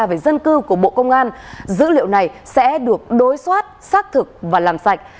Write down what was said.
về dân cư của bộ công an dữ liệu này sẽ được đối soát xác thực và làm sạch